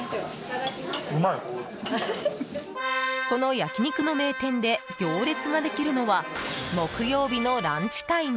この焼き肉の名店で行列ができるのは木曜日のランチタイム。